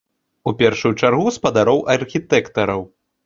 У першую чаргу спадароў архітэктараў.